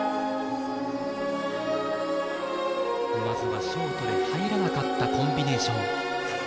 まずはショートで入らなかったコンビネーション。